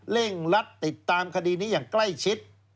ลัดติดตามคดีนี้อย่างใกล้ชิด